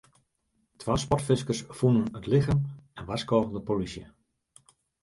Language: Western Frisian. Twa sportfiskers fûnen it lichem en warskôgen de polysje.